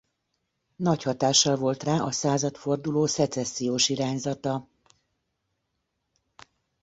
Nagy hatással volt rá a századforduló szecessziós irányzata.